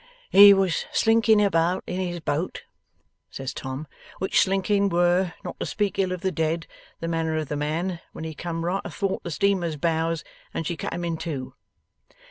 'He was slinking about in his boat,' says Tom, 'which slinking were, not to speak ill of the dead, the manner of the man, when he come right athwart the steamer's bows and she cut him in two.